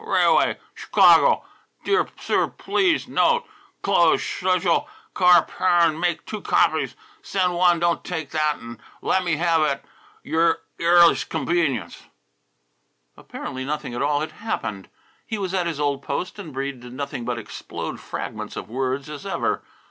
rai'way Sh' kawgo dear sir please note 'closed schej'l car 'pairin' make two copies send one don't take that an' let me have at y'r earles c'nvenience " Apparently nothing at all had happened. He was at his old post, and Breede did nothing but explode fragments of words as ever.